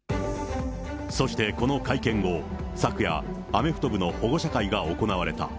そしてこの会見後、昨夜、アメフト部の保護者会が行われた。